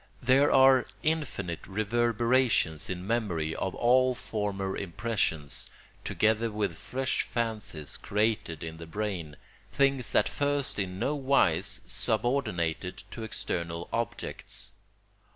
There are infinite reverberations in memory of all former impressions, together with fresh fancies created in the brain, things at first in no wise subordinated to external objects.